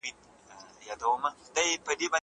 پنجاب د مهاراجا تر واک لاندې و.